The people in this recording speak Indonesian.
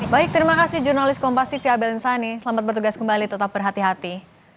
baik terima kasih jurnalis kompasiv via belen sani selamat bertugas kembali tetap berhati hati